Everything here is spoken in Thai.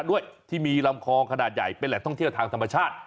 ด้วยที่มีลำคลองขนาดใหญ่เป็นแหล่งท่องเที่ยวทางธรรมชาติ